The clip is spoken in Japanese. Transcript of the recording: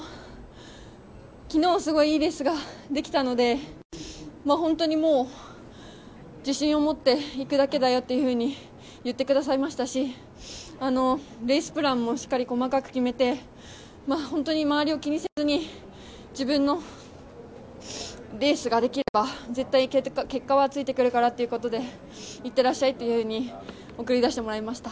昨日すごいいいレースができたので本当にもう自信を持って行くだけだよというふうに言ってくださいましたしレースプランもしっかり細かく決めて周りを気にせずに自分のレースができれば絶対に結果はついてくるからということでいってらっしゃいって送り出してもらいました。